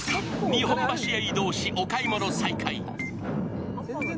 日本橋へ移動しお買い物再開。